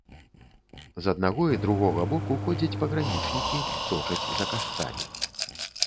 З аднаго і другога боку ходзяць пагранічнікі, сочаць за касцамі.